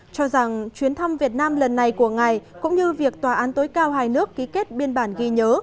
cho rằng chuyến thăm việt nam lần này của ngài cũng như việc tòa án tối cao hai nước ký kết biên bản ghi nhớ